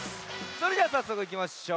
それではさっそくいきましょう。